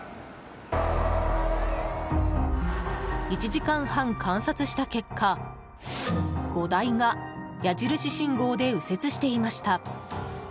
１時間半、観察した結果５台が矢印信号で右折していました。